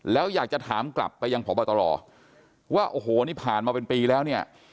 แล้วอยากจะถามกลับไปยังพบตรว่าโอ้โหนี่ผ่านมาเป็นปีแล้วเนี่ย